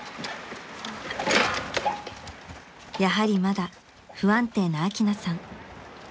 ［やはりまだ不安定なアキナさん］